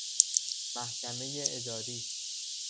محکمه اداری